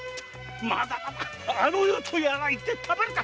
まだまだあの世とやらへ行ってたまるか！